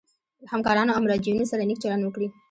له همکارانو او مراجعینو سره نیک چلند وکړي.